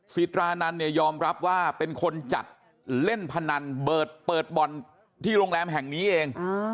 สิตรานันเนี่ยยอมรับว่าเป็นคนจัดเล่นพนันเปิดบ่อนที่โรงแรมแห่งนี้เอง